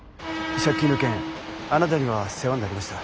借金の件あなたには世話になりました。